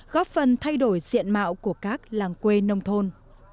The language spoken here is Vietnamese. góp phần thay đổi diện mạo của các làng quê nông thôn